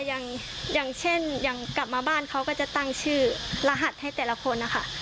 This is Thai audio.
อย่างเช่นอย่างกลับมาบ้านเขาก็จะตั้งชื่อรหัสให้แต่ละคนนะคะ